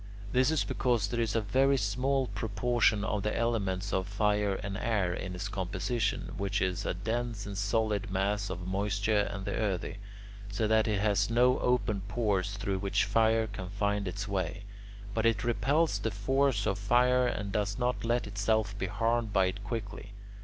This is because there is a very small proportion of the elements of fire and air in its composition, which is a dense and solid mass of moisture and the earthy, so that it has no open pores through which fire can find its way; but it repels the force of fire and does not let itself be harmed by it quickly.